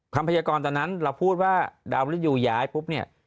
คำพยากรตอนนั้นแล้วพูดว่าดาวมริตยูย้ายปุ๊บเนี่ย